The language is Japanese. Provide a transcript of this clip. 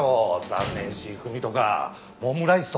『残念Ｃ組』とか『オムライス』とか。